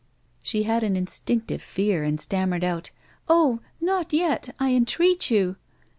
She had an instinctive fear, and stammered out :'•' Oh. not yet, I entreat you."